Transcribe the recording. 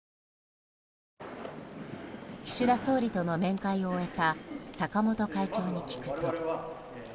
岸田総理との面会を終えた坂本会長に聞くと。